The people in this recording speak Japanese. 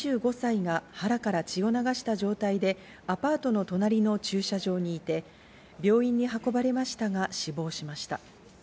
２５歳が腹から血を流した状態でアパートの隣の駐車場にいて、病院に運ばれましたが、死亡しました。